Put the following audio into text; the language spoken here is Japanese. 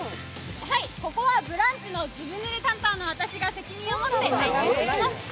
ここは「ブランチ」のずぶぬれ担当の私が責任を持って体験します。